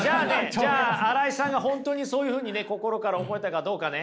じゃあ新井さんが本当にそういうふうに心から思えたかどうかね